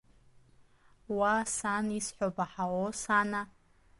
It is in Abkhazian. Уаа, сан, исҳәо баҳуо сана?